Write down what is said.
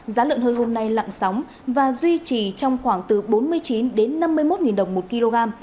giá lợn hơi hôm nay lặng sóng và duy trì trong khoảng từ bốn mươi chín đến năm mươi một đồng một kg